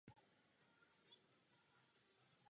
Všechny jsou velké z hlediska důstojnosti.